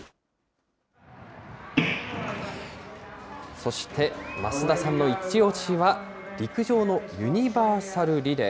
そして、増田さんの一押しは、陸上のユニバーサルリレー。